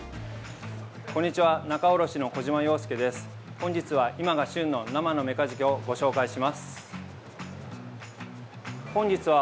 こんにちは！